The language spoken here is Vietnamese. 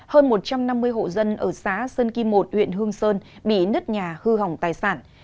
hơn một trăm năm mươi hộ dân ở xã sơn kim một huyện hương sơn bị nứt nhà hư hỏng tài sản